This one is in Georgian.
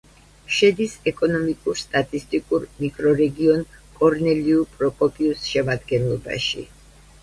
შედის ეკონომიკურ-სტატისტიკურ მიკრორეგიონ კორნელიუ-პროკოპიუს შემადგენლობაში.